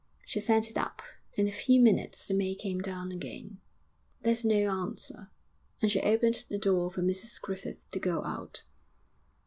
She sent it up. In a few minutes the maid came down again. 'There's no answer,' and she opened the door for Mrs Griffith to go out.